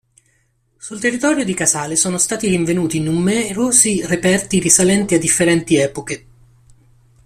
Sul territorio di Casale sono stati rinvenuti numerosi reperti risalenti a differenti epoche.